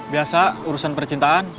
biasa urusan percintaan